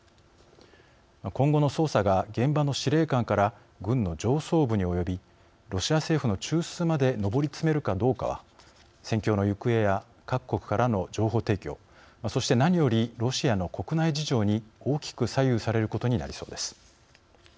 今後の捜査が現場の司令官から軍の上層部に及びロシア政府の中枢まで上り詰めるかどうかは戦況の行方や各国からの情報提供そして何よりロシアの国内事情に大きく左右されることになりそうです。